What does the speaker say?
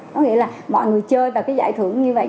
có nghĩa là mọi người chơi vào cái giải thưởng như vậy